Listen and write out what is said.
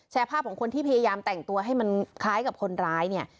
ภาพของคนที่พยายามแต่งตัวให้มันคล้ายกับคนร้ายเนี่ย